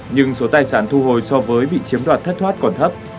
nhưng số tài sản thu hồi so với bị chiếm đoạt thất thoát còn thấp